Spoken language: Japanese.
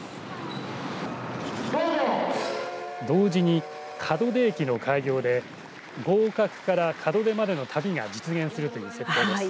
同時に、門出駅の開業で合格から門出までの旅が実現するという設定です。